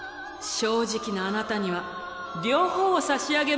正直なあなたには両方を差し上げましょう。